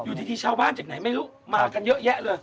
อยู่ดีชาวบ้านจากไหนไม่รู้มากันเยอะแยะเลย